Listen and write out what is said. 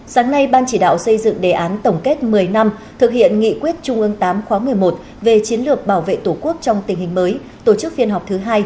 sáng nay ban chỉ đạo xây dựng đề án tổng kết một mươi năm thực hiện nghị quyết trung ương tám khóa một mươi một về chiến lược bảo vệ tổ quốc trong tình hình mới tổ chức phiên họp thứ hai